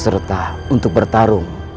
serta untuk bertarung